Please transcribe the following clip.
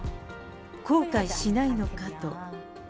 後悔しないのかと。